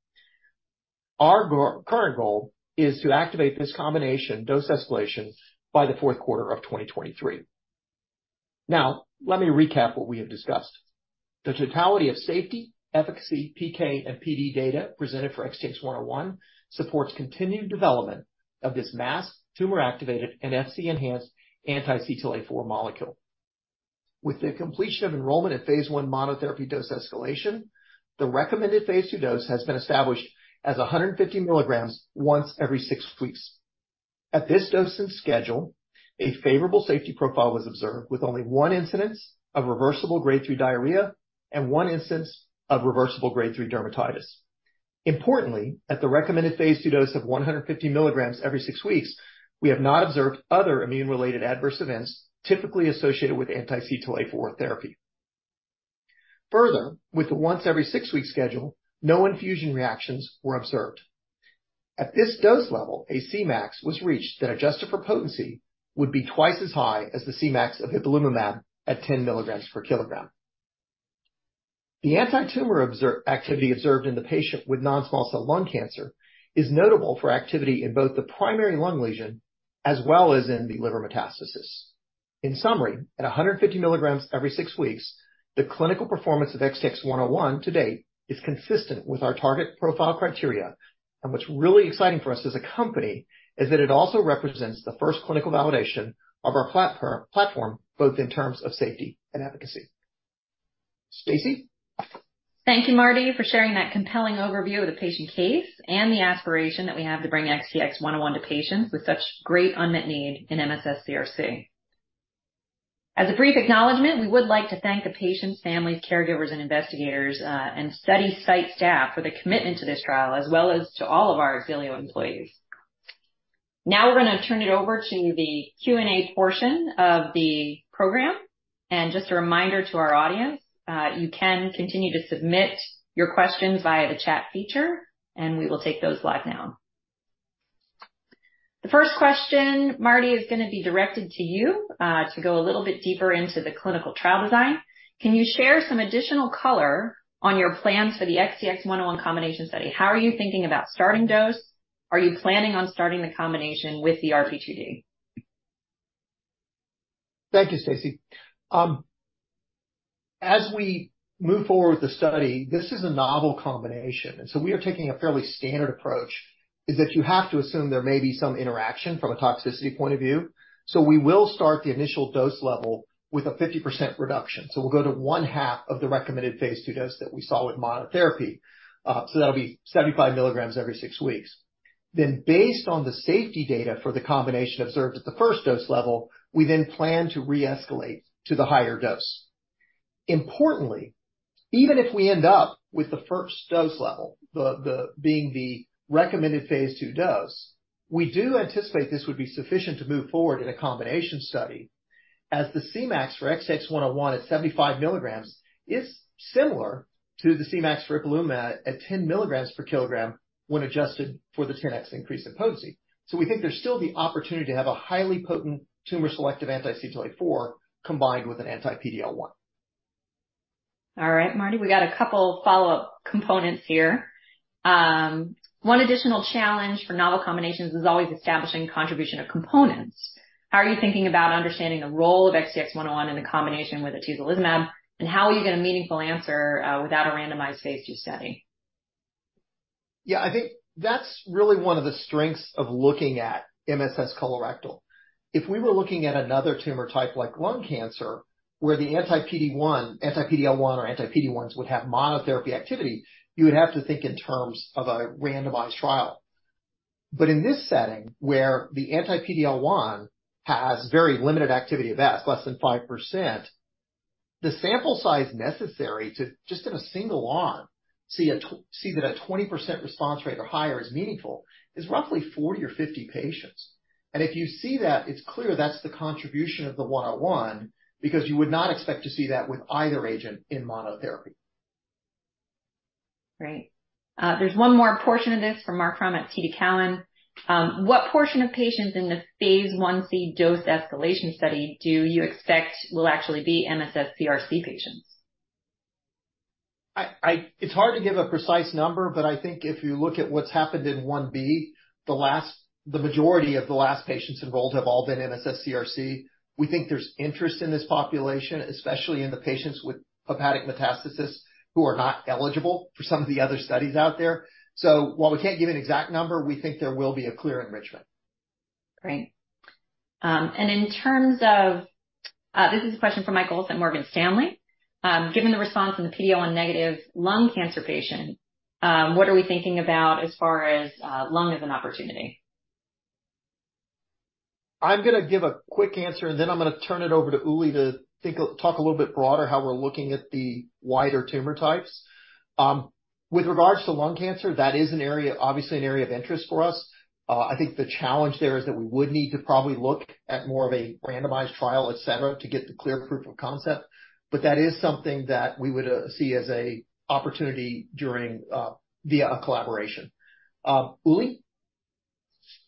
our current goal is to activate this combination dose escalation by the fourth quarter of 2023. Let me recap what we have discussed. The totality of safety, efficacy, PK and PD data presented for XTX-101 supports continued development of this masked, tumor-activated, and Fc-enhanced anti-CTLA-4 molecule. With the completion of enrollment in phase 1 monotherapy dose escalation, the recommended Phase 2 dose has been established as 150 milligrams once every six weeks. At this dose and schedule, a favorable safety profile was observed, with only one incidence of reversible grade three diarrhea and one instance of reversible grade three dermatitis. Importantly, at the recommended Phase 2 dose of 150 mg every six weeks, we have not observed other immune-related adverse events typically associated with anti-CTLA-4 therapy. Further, with the once every six-week schedule, no infusion reactions were observed. At this dose level, a Cmax was reached that, adjusted for potency, would be twice as high as the Cmax of ipilimumab at 10 mg/kg. The antitumor activity observed in the patient with non-small cell lung cancer is notable for activity in both the primary lung lesion as well as in the liver metastasis. In summary, at 150 milligrams every SIX weeks, the clinical performance of XTX-101 to date is consistent with our target profile criteria, and what's really exciting for us as a company is that it also represents the first clinical validation of our platform, both in terms of safety and efficacy. Stacey? Thank you, Marty, for sharing that compelling overview of the patient case and the aspiration that we have to bring XTX-101 to patients with such great unmet need in MSS CRC. As a brief acknowledgement, we would like to thank the patients, families, caregivers, and investigators, and study site staff for the commitment to this trial, as well as to all of our Xilio employees. Now we're gonna turn it over to the Q&A portion of the program. Just a reminder to our audience, you can continue to submit your questions via the chat feature, and we will take those live now. The first question, Marty, is gonna be directed to you, to go a little bit deeper into the clinical trial design. Can you share some additional color on your plans for the XTX-101 combination study? How are you thinking about starting dose? Are you planning on starting the combination with the RP2D? Thank you, Stacey. As we move forward with the study, this is a novel combination, we are taking a fairly standard approach, is that you have to assume there may be some interaction from a toxicity point of view. We will start the initial dose level with a 50% reduction. We'll go to one-half of the recommended phase 2 dose that we saw with monotherapy. That'll be 75 milligrams every SIX weeks. Based on the safety data for the combination observed at the first dose level, we then plan to re-escalate to the higher dose. Importantly, even if we end up with the first dose level, being the recommended Phase 2 dose, we do anticipate this would be sufficient to move forward in a combination study, as the Cmax for XTX-101 at 75 milligrams is similar to the Cmax for ipilimumab at 10 milligrams per kilogram when adjusted for the 10x increase in potency. We think there's still the opportunity to have a highly potent tumor-selective anti-CTLA-4 combined with an anti-PD-L1. All right, Marty, we got a couple follow-up components here. One additional challenge for novel combinations is always establishing contribution of components. How are you thinking about understanding the role of XTX-101 in the combination with atezolizumab, and how will you get a meaningful answer, without a randomized phase two study? Yeah, I think that's really one of the strengths of looking at MSS colorectal. If we were looking at another tumor type, like lung cancer, where the anti-PD-1, anti-PD-L1, or anti-PD-1s would have monotherapy activity, you would have to think in terms of a randomized trial. In this setting, where the anti-PD-L1 has very limited activity of, less than 5%, the sample size necessary to just in a single arm, see that a 20% response rate or higher is meaningful, is roughly 40 or 50 patients. If you see that, it's clear that's the contribution of the 101, because you would not expect to see that with either agent in monotherapy. Great. There's one more portion of this from Marc Frahm at TD Cowen. What portion of patients in the phase 1C dose escalation study do you expect will actually be MSS CRC patients? It's hard to give a precise number, but I think if you look at what's happened in Part 1B, the majority of the last patients enrolled have all been MSS-CRC. We think there's interest in this population, especially in the patients with hepatic metastasis, who are not eligible for some of the other studies out there. While we can't give an exact number, we think there will be a clear enrichment. Great. In terms of, this is a question from Michael at Morgan Stanley. Given the response in the PD-L1 negative lung cancer patient... what are we thinking about as far as, lung as an opportunity? I'm gonna give a quick answer, and then I'm gonna turn it over to Uli to think talk a little bit broader, how we're looking at the wider tumor types. With regards to lung cancer, that is an area, obviously an area of interest for us. I think the challenge there is that we would need to probably look at more of a randomized trial, et cetera, to get the clear proof of concept. That is something that we would see as a opportunity during via a collaboration. Uli?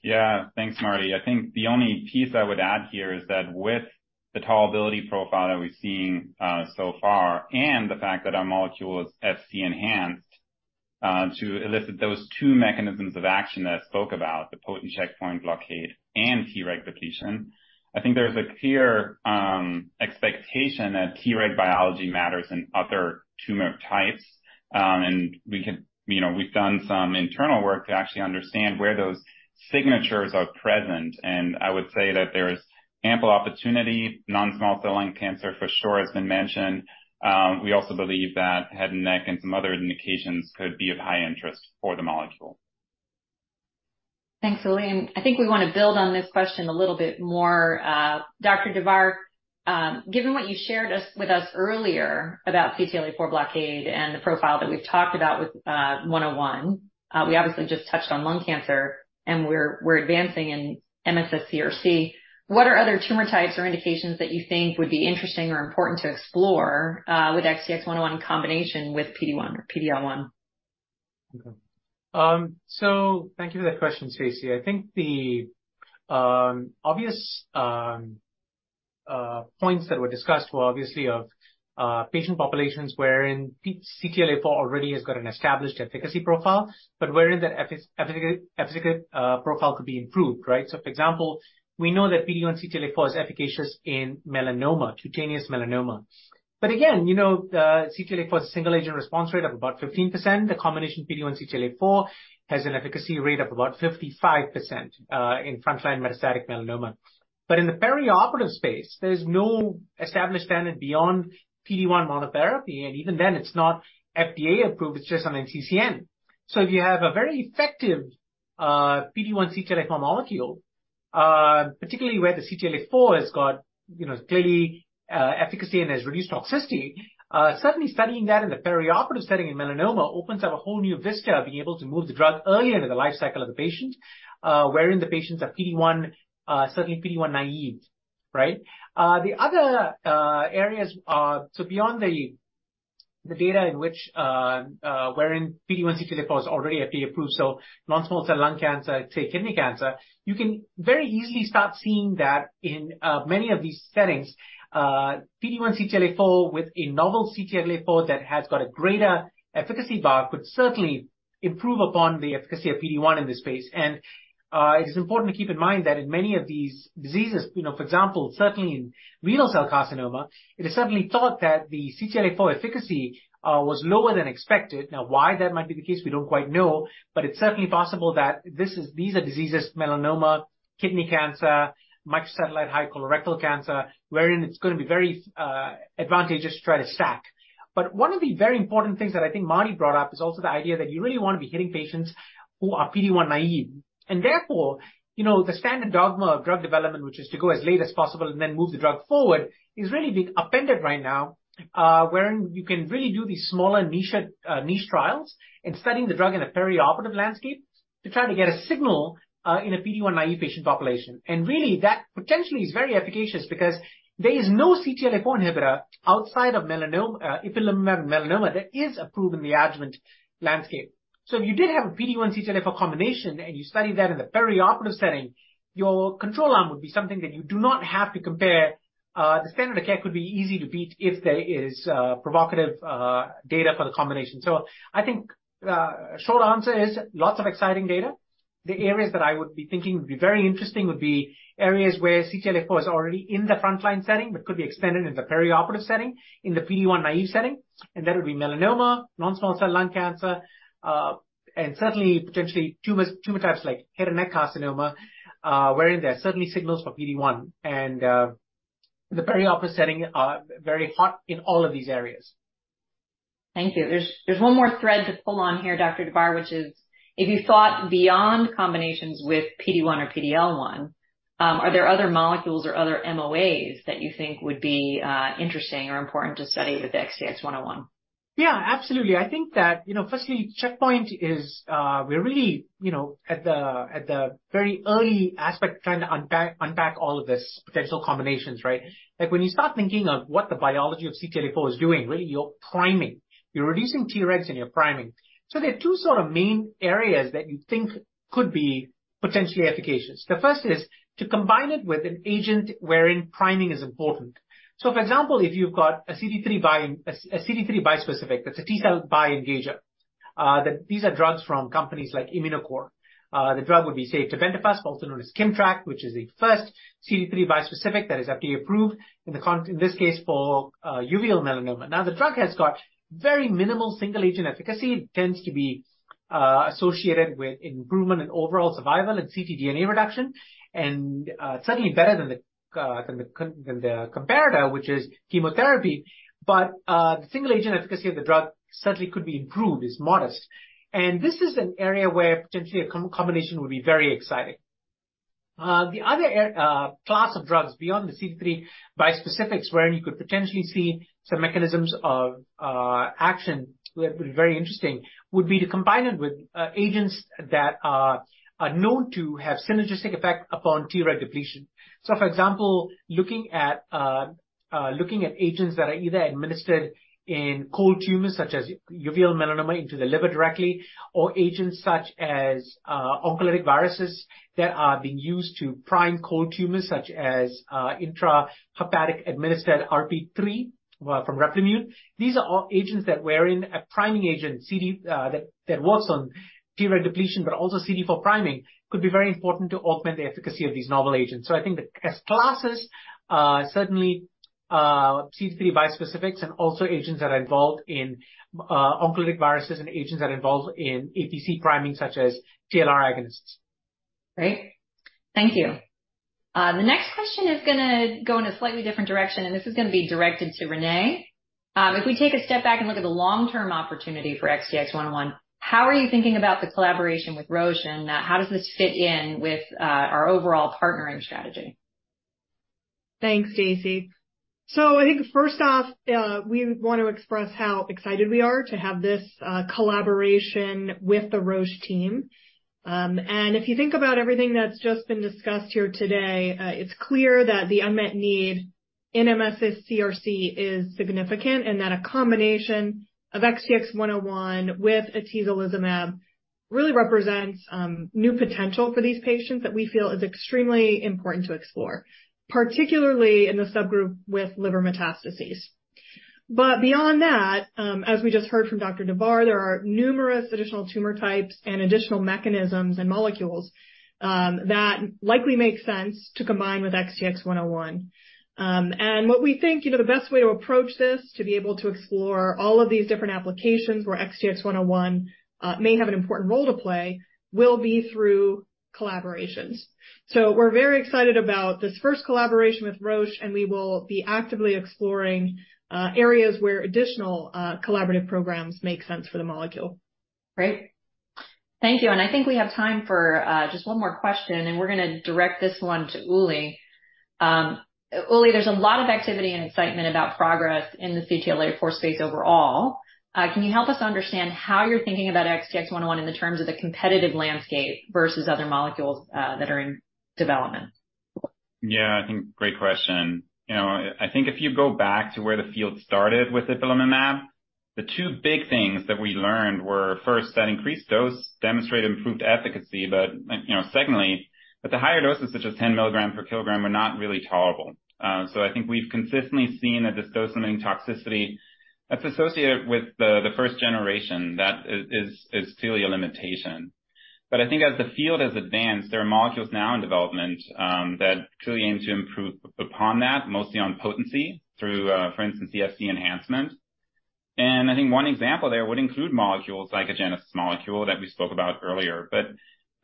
Yeah. Thanks, Marty. I think the only piece I would add here is that with the tolerability profile that we're seeing, so far, and the fact that our molecule is Fc-enhanced to elicit those two mechanisms of action that I spoke about, the potent checkpoint blockade and Treg depletion. I think there's a clear expectation that Treg biology matters in other tumor types. You know, we've done some internal work to actually understand where those signatures are present, and I would say that there is ample opportunity. Non-small cell lung cancer, for sure, has been mentioned. We also believe that head and neck and some other indications could be of high interest for the molecule. Thanks, Uli, and I think we wanna build on this question a little bit more. Dr. Davar, given what you shared us, with us earlier about CTLA-4 blockade and the profile that we've talked about with 101, we obviously just touched on lung cancer, and we're, we're advancing in MSS CRC. What are other tumor types or indications that you think would be interesting or important to explore with XTX-101 in combination with PD-1 or PD-L1? Okay. Thank you for that question, Stacey. I think the obvious points that were discussed were obviously of patient populations wherein CTLA-4 already has got an established efficacy profile, but wherein the efficacy profile could be improved, right? For example, we know that PD-1 CTLA-4 is efficacious in melanoma, cutaneous melanoma. Again, you know, CTLA-4, single agent response rate of about 15%. The combination PD-1 CTLA-4 has an efficacy rate of about 55% in frontline metastatic melanoma. In the perioperative space, there's no established standard beyond PD-1 monotherapy, and even then, it's not FDA-approved, it's just on NCCN. If you have a very effective PD-1 CTLA-4 molecule, particularly where the CTLA-4 has got, you know, clearly efficacy and has reduced toxicity, certainly studying that in the perioperative setting in melanoma opens up a whole new vista of being able to move the drug earlier in the life cycle of the patient, wherein the patients are PD-1, certainly PD-1 naive, right? The other areas, beyond the data in which wherein PD-1 CTLA-4 is already FDA approved, non-small cell lung cancer, say, kidney cancer, you can very easily start seeing that in many of these settings, PD-1 CTLA-4 with a novel CTLA-4 that has got a greater efficacy bar, could certainly improve upon the efficacy of PD-1 in this space. It is important to keep in mind that in many of these diseases, you know, for example, certainly in renal cell carcinoma, it is certainly thought that the CTLA-4 efficacy was lower than expected. Why that might be the case, we don't quite know, but it's certainly possible that this is... these are diseases, melanoma, kidney cancer, microsatellite, high colorectal cancer, wherein it's gonna be very advantageous to try to stack. One of the very important things that I think Marty brought up is also the idea that you really want to be hitting patients who are PD-1 naive. Therefore, you know, the standard dogma of drug development, which is to go as late as possible and then move the drug forward, is really being upended right now, wherein you can really do these smaller niche, niche trials and studying the drug in a perioperative landscape to try to get a signal in a PD-1 naive patient population. And really, that potentially is very efficacious because there is no CTLA-4 inhibitor outside of melanoma, ipilimumab melanoma, that is approved in the adjuvant landscape. So if you did have a PD-1 CTLA-4 combination and you studied that in the perioperative setting, your control arm would be something that you do not have to compare. The standard of care could be easy to beat if there is provocative data for the combination. So I think, short answer is, lots of exciting data. The areas that I would be thinking would be very interesting would be areas where CTLA-4 is already in the frontline setting, but could be expanded in the perioperative setting, in the PD-1 naive setting, and that would be melanoma, non-small cell lung cancer, and certainly potentially tumors, tumor types like head and neck carcinoma, wherein there are certainly signals for PD-1, and the perioperative setting are very hot in all of these areas. Thank you. There's, there's one more thread to pull on here, Dr. Davar, which is, if you thought beyond combinations with PD-1 or PD-L1, are there other molecules or other MOAs that you think would be interesting or important to study with XTX-101? Yeah, absolutely. I think that, you know, firstly, checkpoint is, we're really, you know, at the, at the very early aspect, trying to unpack, unpack all of this potential combinations, right? Like, when you start thinking of what the biology of CTLA-4 is doing, really, you're priming, you're reducing Tregs, and you're priming. There are two sort of main areas that you think could be potentially efficacious. The first is to combine it with an agent wherein priming is important. For example, if you've got a CD3 bi, a CD3 bispecific, that's a T-cell bi-engager, that these are drugs from companies like Immunocore. The drug would be, say, tebentafusp, also known as Kimmtrak, which is the first CD3 bispecific that is FDA approved, in this case, for uveal melanoma. Now, the drug has got very minimal single-agent efficacy. It tends to be associated with improvement in overall survival and ctDNA reduction, and certainly better than the comparator, which is chemotherapy. The single agent efficacy of the drug certainly could be improved, it's modest, and this is an area where potentially a combination would be very exciting. The other class of drugs beyond the CD3 bispecifics, where you could potentially see some mechanisms of action that would be very interesting, would be to combine it with agents that are known to have synergistic effect upon Treg depletion. For example, looking at agents that are either administered in cold tumors such as uveal melanoma into the liver directly, or agents such as oncolytic viruses that are being used to prime cold tumors, such as intrahepatic administered RP3 from Replimune. These are all agents that wherein a priming agent CD that works on Treg depletion, but also CD4 priming, could be very important to augment the efficacy of these novel agents. I think that as classes, certainly CD3 bispecifics and also agents that are involved in oncolytic viruses and agents that are involved in APC priming, such as TLR agonists. Great. Thank you. The next question is gonna go in a slightly different direction, and this is going to be directed to Renee. If we take a step back and look at the long-term opportunity for XTX-101, how are you thinking about the collaboration with Roche, and how does this fit in with our overall partnering strategy? Thanks, Stacey. I think first off, we want to express how excited we are to have this collaboration with the Roche team. If you think about everything that's just been discussed here today, it's clear that the unmet need in MSS CRC is significant and that a combination of XTX-101 with atezolizumab really represents new potential for these patients that we feel is extremely important to explore, particularly in the subgroup with liver metastases. Beyond that, as we just heard from Dr. Davar, there are numerous additional tumor types and additional mechanisms and molecules that likely make sense to combine with XTX-101. What we think, you know, the best way to approach this, to be able to explore all of these different applications where XTX-101 may have an important role to play, will be through collaborations. We're very excited about this first collaboration with Roche, and we will be actively exploring, areas where additional, collaborative programs make sense for the molecule. Great. Thank you. I think we have time for just one more question, and we're gonna direct this one to Uli. Uli, there's a lot of activity and excitement about progress in the CTLA-4 space overall. Can you help us understand how you're thinking about XTX-101 in the terms of the competitive landscape versus other molecules that are in development? Yeah, I think great question. You know, I think if you go back to where the field started with ipilimumab, the two big things that we learned were, first, that increased dose demonstrated improved efficacy, but, you know, secondly, that the higher doses, such as 10 milligrams per kilogram, were not really tolerable. I think we've consistently seen that this dose-limiting toxicity that's associated with the, the first generation, that is, is still a limitation. I think as the field has advanced, there are molecules now in development that clearly aim to improve upon that, mostly on potency through, for instance, Fc enhancement. I think one example there would include molecules like Agenus molecule that we spoke about earlier,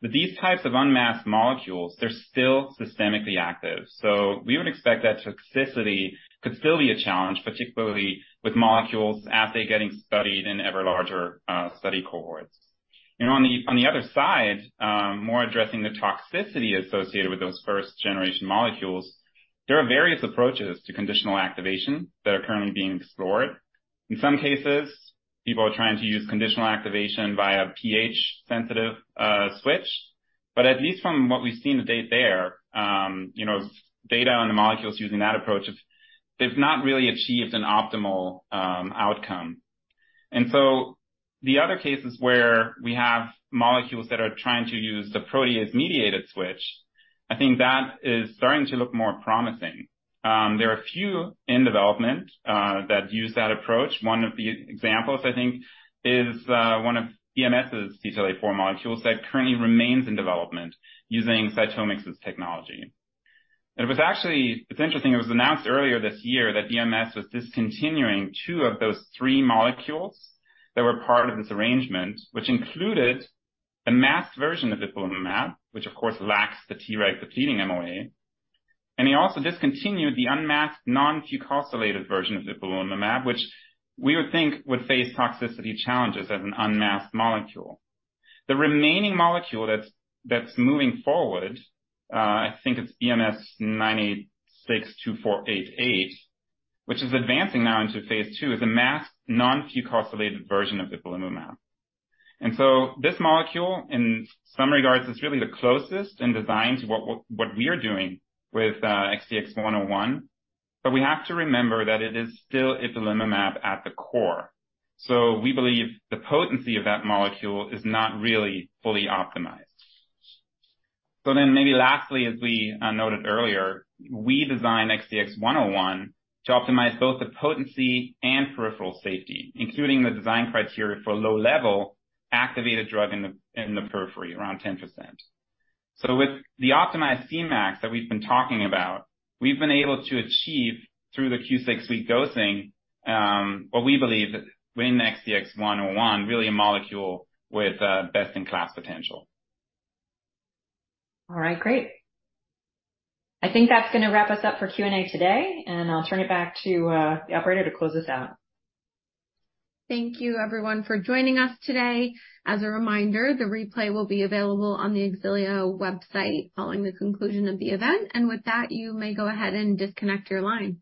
but with these types of unmasked molecules, they're still systemically active, so we would expect that toxicity could still be a challenge, particularly with molecules as they're getting studied in ever larger study cohorts. You know, on the, on the other side, more addressing the toxicity associated with those first-generation molecules, there are various approaches to conditional activation that are currently being explored. In some cases, people are trying to use conditional activation via a pH-sensitive switch, but at least from what we've seen to date there, you know, data on the molecules using that approach, they've not really achieved an optimal outcome. The other cases where we have molecules that are trying to use the protease-mediated switch, I think that is starting to look more promising. There are a few in development that use that approach. One of the examples, I think, is one of BMS's CTLA-4 molecules that currently remains in development using CytomX's technology. It was actually... It's interesting, it was announced earlier this year that BMS was discontinuing two of those three molecules that were part of this arrangement, which included a masked version of ipilimumab, which of course lacks the Tregs depleting MOA. They also discontinued the unmasked non-fucosylated version of ipilimumab, which we would think would face toxicity challenges as an unmasked molecule. The remaining molecule that's, that's moving forward, I think it's BMS-986288, which is advancing now into Phase 2, is a masked, non-fucosylated version of ipilimumab. So this molecule, in some regards, is really the closest in design to what we are doing with XTX-101, but we have to remember that it is still ipilimumab at the core, so we believe the potency of that molecule is not really fully optimized. Then maybe lastly, as we noted earlier, we designed XTX-101 to optimize both the potency and peripheral safety, including the design criteria for low-level activated drug in the, in the periphery, around 10%. With the optimized Cmax that we've been talking about, we've been able to achieve, through the Q 6-week dosing, what we believe to be in the XTX-101, really a molecule with best-in-class potential. All right, great. I think that's gonna wrap us up for Q&A today, and I'll turn it back to the operator to close this out. Thank you, everyone, for joining us today. As a reminder, the replay will be available on the Xilio website following the conclusion of the event. With that, you may go ahead and disconnect your line.